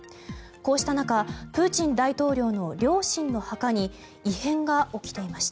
こうした中プーチン大統領の両親の墓に異変が起きていました。